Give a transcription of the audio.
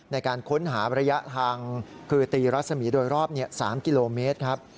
ในการค้นหาระยะทางคือตีรัศมีร์โดยรอบ๓กิโลเมตรครับ